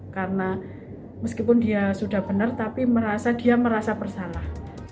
karena meskipun dia sudah benar tapi dia merasa bersalah